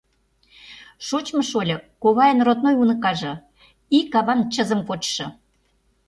Шочмо шольо, ковайын родной уныкаже, ик аван чызым кочшо...